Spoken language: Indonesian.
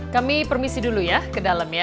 kami permisi dulu ya